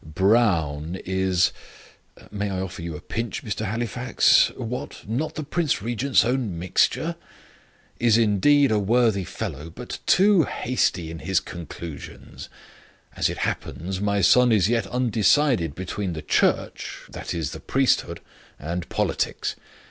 "Brown is (may I offer you a pinch, Mr. Halifax? what, not the Prince Regent's own mixture?) is indeed a worthy fellow, but too hasty in his conclusions. As it happens, my son is yet undecided between the Church that is, the priesthood, and politics.